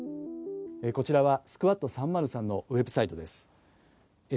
こちらはスクワッド３０３のウェブサイトです。